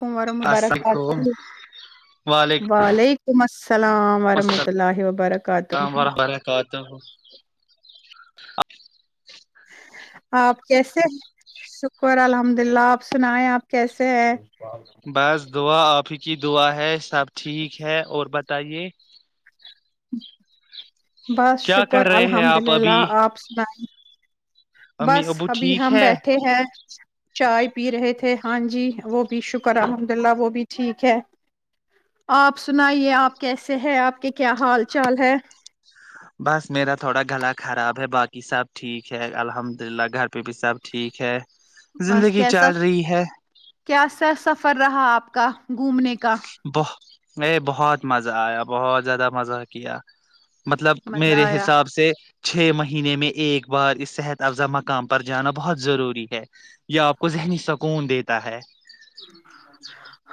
ہمواروں مبارک السل باد علیکم وعلیکم وال توم السلام ورحمۃ السلام اللہ وبرکاتہ ورحمۃ اللہ وبرکاتہ [inaudible] آپ کیسے ہیں شکر الحمد للہ آپ سنائیں آپ کیسے ہیں بس دعا آپ ہی کی دعا ہے سب ٹھیک ہے اور بتائیے بس کیا شکر کر رہے ہیں الحمد آپ ابھی للہ آپ سنائییں امی بس ابو ابھی ٹھیک ہم ہے بیٹھے ہیں چائے پی رہے تھے ہاں جی وہ بھی شکر الحمد اللہ وہ بھی ٹھیک ہے آپ سنائیے آپ کیسے ہے آپ کے کیا حال چال ہے بس میرا تھوڑا گلا خراب ہے باقی سب ٹھیک ہے الحمد للہ گھر پہ بھی سب ٹھیک ہے بس زندگی کیسا چل رہی ہے کیسا سا سفر رہا آپ کا گھومنے کا بہ ا بہت مزہ آیا بہت زیادہ مزہ کیا مطلب مزہ میرے آیا حساب سے چھ مہینے میں ایک بار اس صحت افزا مقام پر جانا بہت ضروری ہے یا آپ کو ذہنی سکون دیتا ہے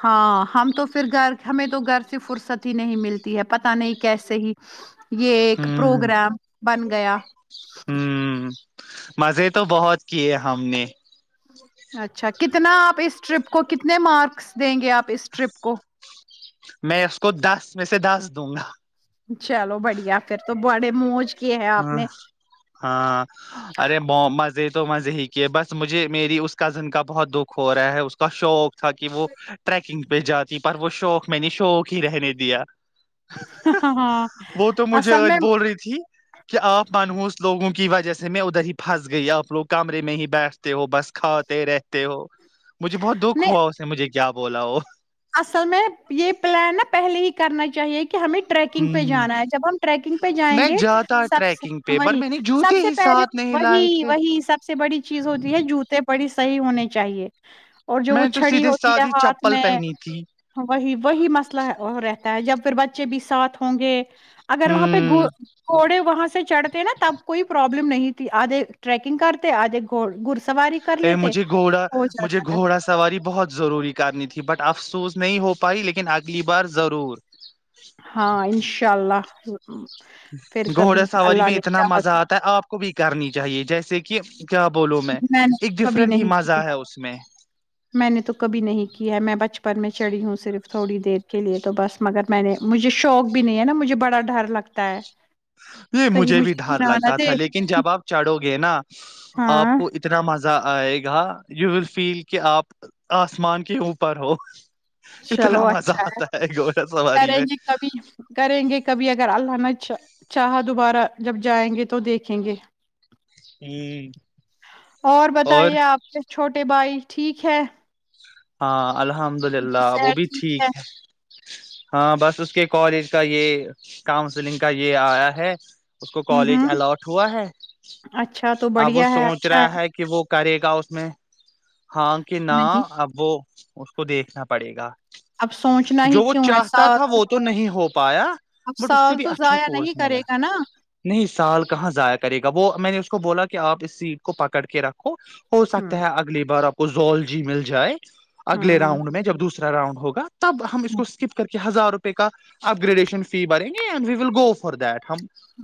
ہاں ہم تو پھر گھر ہمیں تو گھر سے فرصت ہی نہیں ملتی ہے پت نہیں کیسے ہی یہ ایک ہوں پروگرام بن گیا ہوں مزے تو بہت کیے ہم نے اچھا کتنا آپ اس ٹرپ کو کتنے مارکس دیں گے آپ اس ٹرپ کو میں اس کو دس میں سے دس دوں گا چلو بڑھیا پھر تو بڑے موج کیے ہیں آپ ہاں نے ہاں ارے ب تو مزے ہی کیے بس مجھے میری اس کزن کا بہت دکھ ہو رہا ہے اس کا شوق تھا کہ وہ ٹریکنگ پہ جاتی پر وہ شوق میں نے شوق ہی رہنے دیا ہ ہاں وہ تو آ س مجھے آج میں بول رہی تھی کہ آپ منوس لوگوں کی وجہ سے میں ادھر ہی پھنس گئی آپ لوگ کمرے میں ہی بیٹھتے ہو بس کھاتے رہتے ہو مجھے بہت دکھ نہیں ہوا اس سے مجھے کیا بولا وہ اصل میں یہ پلان نا پہلے ہی کرنا چاہیے ہمیں ٹریکنگ پہ ہ جانا ہے جب ہم ٹریکنگ پہ جائیں میں گے جاتا سب سے ٹریکنگ پہ پر وہی میں نے جوتے سب سے ہی پہلے ساتھ نہیں لائے وہی تھے وہی سب سے بڑی چیز ہوتی ہے جوتے پڑی صحیح ہونے چاہیے اور جو وہ میں تو چھڑی سیدھے ہوتی ہے سادھی ہاتھ چپل میں پہنی تھی وہی وہی مسئلہ رہتا ہے جب پھر بچے بھی ساتھ ہوں گے اگر وہاں پہ ہوں گھوڑے وہاں سے چڑھتے ہیں نا تب کوئی پرابلم لم نہیں ت آدے رکنگ کرتے آد گ گ ا مجھے گھوڑا مجھے جاتا گھوڑا سواری بہت ضروری کرنی تھی بٹ افسوس نہیں ہو پائی لیکن اگلی بار ضرور ہاں انشاء اللہ ہاں گھوڑا سواری میں اتنا مزہ تو آتا ہے آپ کو بھی کرنی چاہیے جیسے کہ کیا بولو میں نے تو ایک کبھی ڈفرینٹ ہی نہیں مزہ کی ہے اس میں میں نے تو کبھی نہیں ہے میں بچپن پر میں چڑھیی ہوں صرف تھوڑی دیر کے لیے تو بس مگر میں نے مجھے شوق بھی نہیں ہے نا مجھے بڑا ڈر لگتا ہے یہ کہیں مجھے بھی ڈار گھرانا لگتا دے تھا لیکن جب آپ چڑھو گے نا آپ ہاں کو انا اتنا مزہ آئے گا یو ول فیل کہ آپ آسمان کے اوپر ہو اتنا چلو مزہ اچھا ہے آتا گھوڑا سواری کریں میں گے کبھی کریں گے کبھی اگر اللہ نہ اا چاہا دوبارہ جب جائیں گے تو دیکھیں گے اور بتائیے آپ نے چھوٹے چٹے بائی ٹھیک ہے ہاں الحمد للہ وہ بھی ٹھیک ہے ہاں بس اس کے کالج کا یہ کاؤنسلنگ کا یہ آیا ہے اس کو ہ کالج ہ الٹ ہوا ہے اچھا تو ا وہ بڑھیا ہے سوچ اچھا رہا ہے کہ وہ کرے گا اس میں ہاں کہ نہ نہیں اب اس کو دیکھنا پڑے گا اب سوچنا ہی جو وہ کیوں ہے چاہتا تھا سالھ وہ تو نہیں ہو پایا بٹ اس سے بھی اچھا کورس کرے ملا گا نا نہیں سال کہاں ضائع کرے گا وہ میں نے اس کو بولا کہ آپ اس سیٹ کو پکڑ کے رکھو ہو سکتا ہوں ہے اگلی بار کو زول جی مل جائے اگلے ہوں راؤنڈ میں جب دوسرے رؤنڈ ہوگا تب ہم اس کو ہوں اسکپ کر کے ہزار روپے کا اپ گریڈیشن فی باریں گی and we will go for that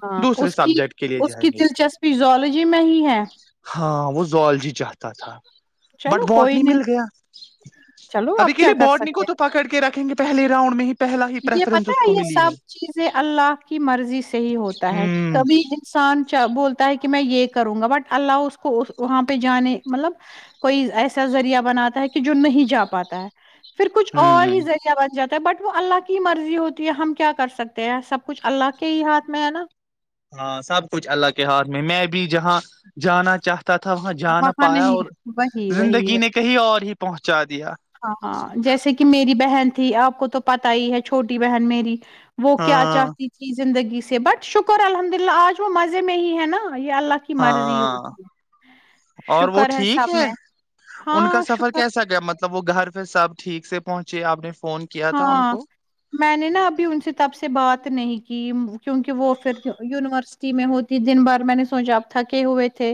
ہاں اس کی اس کی گے دلچسپی زالوجی میں ہی ہے ہاں وہ زالجی چاہتا تھا بٹ چلو باٹ کوئی نہیں مل گیا چلو اب ابھی کے کیا لیے کر بورڈ ن سکتے کو ہیں تو پکڑ کے رکھیں گے پہلی راؤنڈ میں ہی تو یہ پتا ہے یہ سب چیزیں اللہ کی مرضی سے ہی ہوتا ہے کبھی انسان بولتا ہے کہ کہ میں یہ کروں گا بٹ اللہ اس کو وہاں پہ جانے مطلب کوئی ایسا ذریعہ بناتا ہے کہ جو نہیں جا پاتا ہے پھر کچھ ہ اور ہ ہی ذریعہ بن جاتا بٹ وہ اللہ کے کی مرضی ہوتی ہے ہم کیا کر سکتے ہیں سب کچھ اللہ کے ہی ہاتھ میں ہے نا ہاں سب کچھ اللہ کے ہاتھ میں میں بھی جہاں جانا چاہتا تھا وہاں جا نہ وہاں پایا نہیں اور وہی وہی زندگی نے کہیں اور ہی پہنچا دیا ہاں ہاں جیسے کہ میری بہن تھی آپ کو تو پتا ہی ہے چھوٹی بہن میری وہ کیا ہاں چاہتی تھیز زندگی سے بٹ شکر الحمد للہ آج وہ مزے میں ہی ہے نا یہ اللہ کی مرضی ہاں ہوتی ہے اور وہ شکر ٹھیک سب ہے میں ان کا ہاں سفر شکر کیسا گ مطلب مطلب وہ گھر پہ سب ٹھیک سے پہنچے آپ نے فون کیا تھا ان ہاں کو میں نے نا ابھی ان سے تب سے بات نہیں کیونکہ وہ پھر یونیورسٹی میں ہوتی دن بار میں نے سوچا تھا کہ ہوئے تھے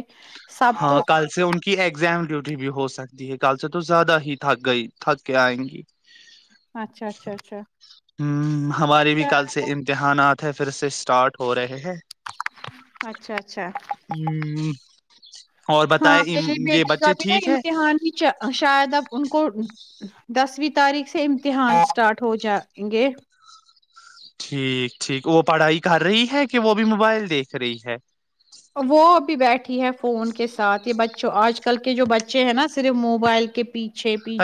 سب ہاں تو کل سے ان کی ایگزام ڈ بھی ہو سکتی ہے کل سے تو زیادہ ہی تھک گئی تھک کے آئیں گی اچھا اچھا اچھا ہ ہمارے بھی کل سے امتحانات پھر سے اسٹارٹ ہو رہے ہیں اچھا اچھا ہوں [unintelligible] ہاں میری بیٹی کا بھی نا امتحان ہی شاید اب ان کو دسویں تاریخ سے امتحان اسٹارٹ ہو جائیں گے ٹھیک ٹھیک وہ پڑھائی کر رہی ہے کہ وہ بھی موبائل دیکھ رہی ہے وہ ابھی بیٹھی ہے فون کے ساتھ یہ بچوں آج کل کے جو بچے ہیں نا صرف موبائل کے پیچھے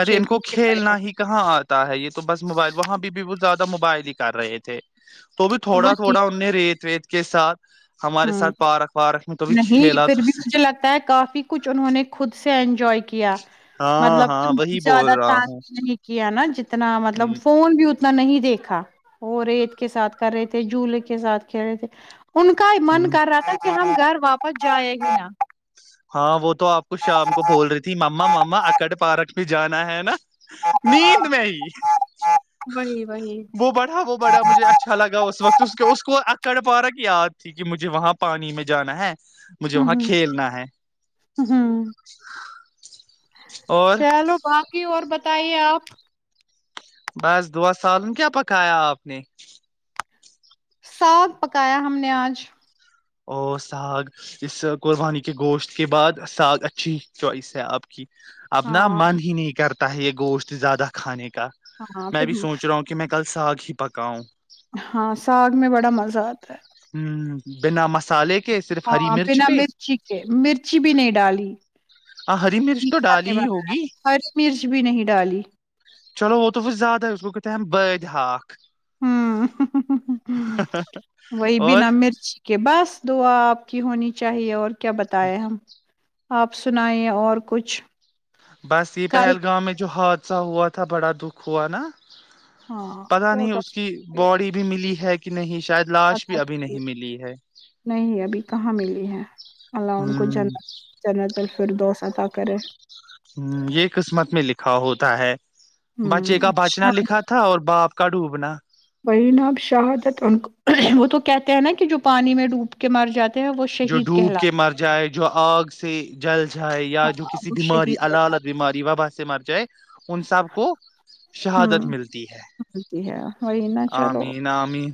ارے ان کو پیچھے پڑے کھیلنا ہیں ہی کہاں آتا ہے یہ تو بس موبائل وہاں بھی بھی زیادہ موبائل ہی کر رہے تھے [unintelligible] تو بھی تھوڑا وہی تھوڑا ان نے ریت ویت کے ساتھ [unintelligible] ہمارے ہاں ساتھ پارک وارک میں کبھی نہیں کھیلا تو پھر بھی مجھے لگتا ہے کافی کچھ انہوں نے خود سے [unintelligible] جائکیہ [unintelligible] ہاں مطلب کہ ہاں وہی بول زیادہ رہا ہوں تش نہیں کیا نا ج [unintelligible] اتنا مطلب ہ فون بھی [unintelligible] تنا نہیں دیکھا وہ ریت کے ساتھ کر رہے تھے جھولے کے ساتھ ک رہے تھے ان [unintelligible] کا ہی من کر رہا تھا کہ ہم [unintelligible] گھر واپس جائے گی ن [unintelligible] ہاں وہ تو آپ کو شام کو بول رہی تھی ما ماما اکٹ پارک میں جانا ہے نا نیند میں ہی وہی وہی وہ بڑا وہ بڑا مجھے اچھا لگا اس وقت اس کے اس کو اچھا کڑبارک یاد تھی کہ مجھے وہاں پانی میں جانا ہے [unintelligible] مجھے وہاں کھیلنا ہے ہاں [unintelligible] اور چلو باقی اور ب [unintelligible] طائی آپ [unintelligible] بس دعا سالن کیا پکایا آپ نے ساگ پکایا ہم نے آج اور ساگ اس قربانی کے گوشت کے بعد ساگ اچھی چوائس ہے آپ کی ابنا ہاں من ہی نہیں کرتا تاہ یہ گوشت زیادہ کھانے [unintelligible] کا ہاں میں پھر بھی سوچ رہا ہوں کہ میں کل [unintelligible] ساگ ہی پکاؤ [unintelligible] ہاں ساگ میں بڑا مزہ آتا [unintelligible] ہوں بنا مس [unintelligible] ہاں بنا مرچی کے مرچی بھی نہیں ڈالی ہاں ہری مرچ تو تیکھا ڈالی نہیں بنا ہوگی ہری مرچ بھی نہیں ڈالی چلو وہ تو پھر زیادہ ہے اس کو تم بدی ہااک [unintelligible] ہ ہ وہی اور بھینا مرچی کے بس دعا آپ کی ہونی چاہیے اور [unintelligible] کیا بتائے ہم آپ سنائییں اور کچھ بس یہ کل پہلگام میں جوہات اھا ہوا تھا بڑا دکھ ہوا نا ہاں پتا کیا نہیں کر اس کی سکتے باڈی بھی ملی ہے کہ نہیں شاید لاش بھی ابھی نہیں ملی ہے نہیں ابھی کہاں ملی ہے اللہ ہ ان کو ج جنتل پھر دو سا تک [inaudible] [inaudible] [inaudible] کا ہوتا ہے بچے ہمم کا بچنا لکھا شہادت تھا اور باپ کڑو بنا [inaudible] وہی نا اب شہادت ان کو وہ تو کہتے ہیں نا کہ جو پانی میں ڈوب کے مار جاتے [inaudible] جو شہید ڈوب کے کہلاتے مر جائے جو آگ سے جل [unintelligible] جائے یا ہیں۔ جو ہاں کسی وہ بیماری شہید اللالت کہلاتے بیماری وبا سے مر جائے ان سب کو شہادت ہمم ملتی ہے ملتی ہے وہی نا چلو آمین آمین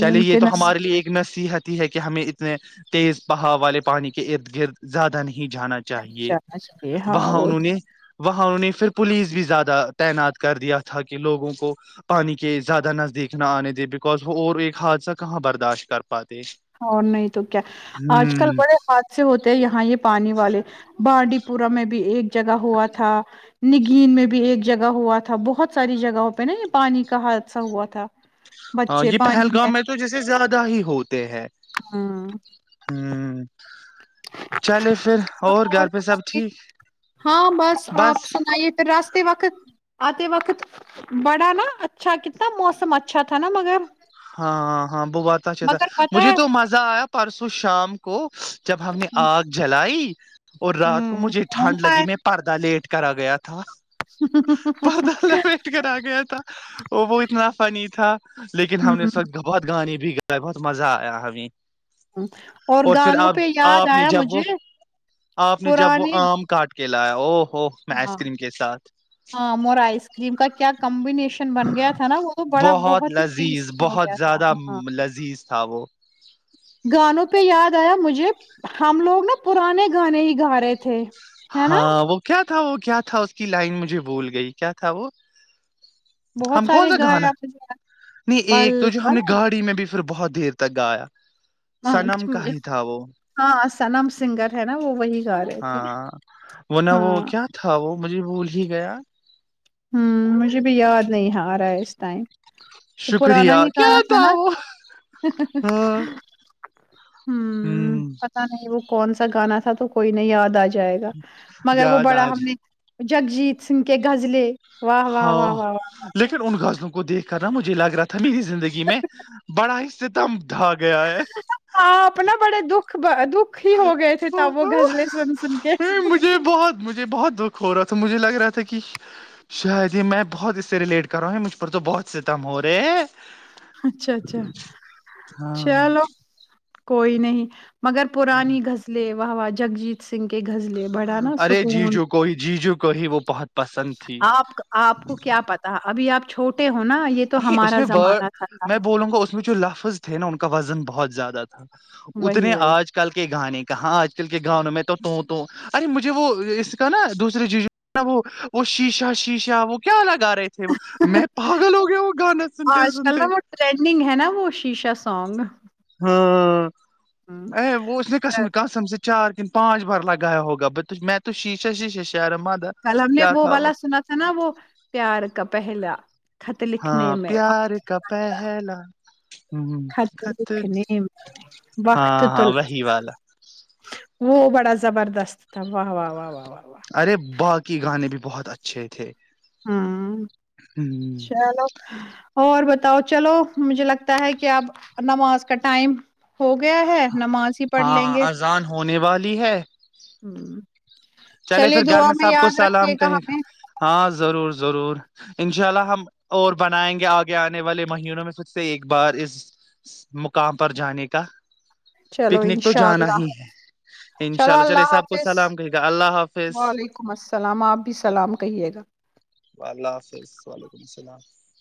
چلے یہ کے تو ہمارے نصیب لیے ایک نصیحت ہی ہے کہ ہمیں ا اس میں تیز بہاؤ والے پانی کے ارد گرد زیادہ نہیں جانا میں نہیں چاہیے جانا چاہیے ہاں وہاں وہ انہوں نے وہاں انہوں نے پھر پولیس بھی زیادہ تعینات کر دیا تھا کہ لوگوں کو پانی کے زیادہ نزدیک نہ آنے دیں بکاز وہ اور ایک حادثہ کہاں براشت کر پاتے اور نہیں تو کیا آج کل ہ بڑے حاد سے ہوتے ہیں یہاں یہ پانی والے بانڈی پورا میں بھی ایک جگہ ہوا تھا نگین میں بھی ایک جگہ ہوا تھا بہت ساری جگہوں پہ نا یہ پانی کا حادثہ ہوا تھا ہاں بچے یہ پانی پہلگام میں تو جیسے زیادہ ہی ہوتے ہیں ہاں ہوں پہ سب ٹھیک ہاں بس آپ سنائیے پھر راستے وقت آتے وقت بڑا نا اچھا کتنا موسم اچھا تھا نا مگر ہاں ہاں ب بت اچھا تھا مگر پتا مجھے ہے تو مزہ آیا پرسوں شام کو جب ہم نے آگ جلائی اور رات کو ہوں مجھے ٹھنڈ لگی میں پردہ لیٹ کرا گیا تھا تھا پا بیٹھ کر آ گیا تھا وہ وہ اتنا فنی تھا لیکن ہم نے سخ گبات پانی بھی گا ہے بہت مزہ آیا ہمیں اور پھر گانوں آپ پہ یاد آپ نے آیا جب وہ مجھے آپ نے جب وہ پرانے آم کاٹ لایا وہ ہاں ہم آئس کریم کا کیا کم ہمم نہیں بن گیا تھا نا وہ تو بڑا بہت ہی لذیذ ٹیٹی ہو بہت گیا تھا زیادہ ہاں لذیذ تھا وہ گانوں پہ یاد آیا مجھے ہم لوگ نا پرانے گانے ہی گا رہے تھے ہے نا ہاں وہ کیا تھا وہ کیا تھا اس کی لائن مجھے بھول گئی کیا تھا وہ بہت ہم کون سارے سا گائے کانا آپ نے۔ نہیں پل ایک تو جو ہم پل نے گاڑی میں بھی پھر بہت دھییر تک گایا ہاں اچا سنم کا مجھے ہی تھا وہ ہاں سنم سنگر ہے نا وہی گا رہے تھے ہاں وہ نہ وہ ہاں کیا تھا وہ مجھے بولی ہی گیا ہوں مجھے بھی یاد نہیں آ رہا ہے اس ٹائم وہ شکریہ پرانا ہی کیا کانا تھا نا وہ ہاں ہوں پتا نہیں وہ کون سا گانا تھا تو کوئی نہیں یاد آج جائے گا مگر وہ یاد بڑا آج ہم نے جگجیت سنگھ کے غزلے ہاں لیکن ان گسوں کویکھ کرنا مھے لگ رہا تھا میز زندگی میں بڑا ہی ستم ڈھا گیا آپنا بڑے دکھ خب دکھ ہی ہو گئے تھے تب وہ ہے گغزلے سن سن کے مجھے بہت مجھے بہت دکھ ہو رہا تھا مجھے لگ رہا تھا کہ شاید یہ میں بہت اس سے ریلیٹ کر رہا ہوں مجھ پر تو بہت سے تم ہو رہے ہیں اچھا اچھا ہاں چلو کوئی نہیں مگر پرانی غزلیں واہا جگجیت سنگ کے غزلیں بڑا نا ارے جی سکون جو کوئی جی جو کو ہی وہ بہت پسند تھی آپ آپ کو کیا پتا ابھی آپ چھوٹ نہیں اس میں میں تب بولوں گا اس میں جو لفظ تھے نا ان کا وزن بہت زیادہ وہی اتنے وہی آج کل کے گانے کا ہاں آج کل کے گانوں میں تو تو ارے مجھے وہ اس کا نا دوسری چیز وہ شیشا شیشا وہ کیا گا رہا تھے وہ میں پاگلوں آج کل نا وہ ٹرینڈنگ ہے نا وہ کو شیشا سانگ ہاں ا وہ اس نے کہ سم کہ سمجھ چار دن پانچ بار لگایا ہوگا ب میں تو شیشا شی شش کل ہم نے وہ والا سنا تھا نا وہ پیار کا پہلا [unintelligible] ہاں لکھنے میں پیار کا پہلا [unintelligible] خطر خط دکھنے وقت ہاں تو ہاں وہی والا [unintelligible] وہ بڑا زبردست تھا و واہ واہ واہ و [unintelligible] ارے باقی گانے بھی [unintelligible] بہت اچھے تھے [unintelligible] ہ ہ چلو اور [unintelligible] بتاؤ چلو مجھے لگتا ہے کہ اب نماز کا ٹائم ہو گیا ہے نماز ہی پڑھ لیں ہاں گے اذان ہونے والی ہے ہوں [inaudible] چلے پھر گھر میں سب کو سلام کہے گا ہاں ضرور ضرور انشاء اللہ ہم اور بنائیں گے آگے آنے والے مہینوں میں پھر سے ایک بار اس مقام پر جانے کا چلو پکنک تو انشاء جانا اللہ ہی ہے ان شاء چلو اللہ چلےسا آب کو حافظ سلام کرے گا اللہ حافظ وعلیکم السلام آپ بھی سلام کہیے گا و اللہ حافظ وعلیکم السلام [unintelligible]